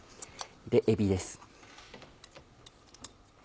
えびです。